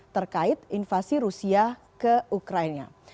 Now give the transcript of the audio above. terkait invasi rusia ke ukraina